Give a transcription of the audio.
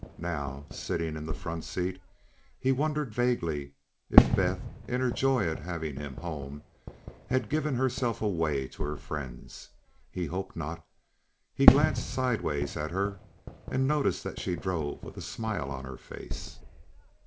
Now, sitting in the front seat, he wondered vaguely if Beth, in her joy at having him home, had given herself away to her friends. He hoped not. He glanced sidewise at her and noticed that she drove with a smile on her face.